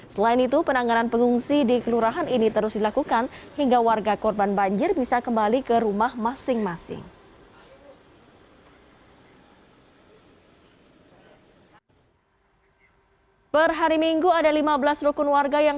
selain itu penanganan pengungsi di kelurahan ini terus dilakukan hingga warga korban banjir bisa kembali ke rumah masing masing